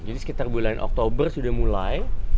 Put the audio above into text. jadi sekitar bulan oktober sudah mulai